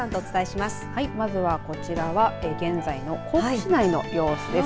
まずはこちらは現在の甲府市内の様子です。